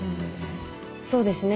そうですね